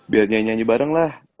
biar nyanyi nyanyi bareng lah